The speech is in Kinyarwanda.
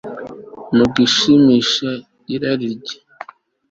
Mu gushimisha irari rye